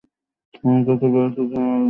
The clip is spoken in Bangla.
আমি তাকে বলেছি কাউকে রেহাই না দিতে।